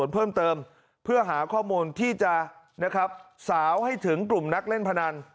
เพิ่มเติมเพื่อหาข้อมูลที่จะนะครับสาวให้ถึงกลุ่มนักเล่นพนัน